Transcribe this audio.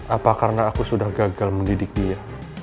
apa karena aku sudah gagal mendidik dia